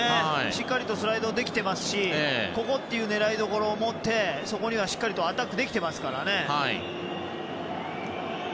しっかりとスライドできてますしここという狙いどころを持ってそこにしっかりアタックできてますからね。